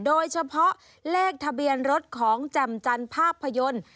โดยเฉพาะเลขทะเบียนรถของแจ่มจันทร์ภาพยนตร์